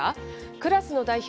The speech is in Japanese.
クラスの代表